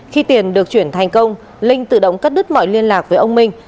khi tiền được chuyển thành công linh tự động cắt đứt mọi liên lạc với ông minh